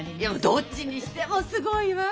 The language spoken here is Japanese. どっちにしてもすごいわ。